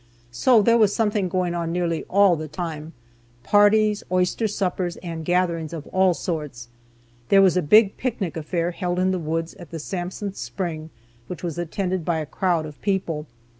So there was something going on nearly all the time; parties, oyster suppers, and gatherings of all sorts. There was a big picnic affair held in the woods at the Sansom Spring which was attended by a crowd of people.